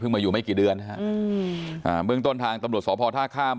มาอยู่ไม่กี่เดือนฮะอืมอ่าเบื้องต้นทางตำรวจสพท่าข้าม